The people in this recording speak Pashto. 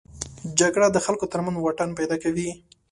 جګړه د خلکو تر منځ واټن پیدا کوي